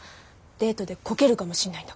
デートでコケるかもしんないんだから。